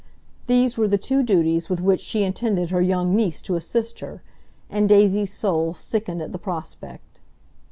These were the two duties with which she intended her young niece to assist her, and Daisy's soul sickened at the prospect.